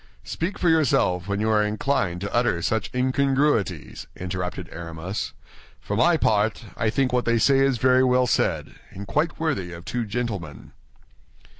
"Speak for yourself when you are inclined to utter such incongruities," interrupted Aramis. "For my part, I think what they say is very well said, and quite worthy of two gentlemen."